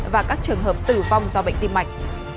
và các trường hợp tử vong do bệnh tim mạch